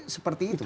paket seperti itu